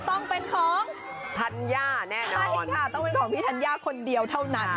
ต้องเป็นของธัญญาแน่ใช่ค่ะต้องเป็นของพี่ธัญญาคนเดียวเท่านั้น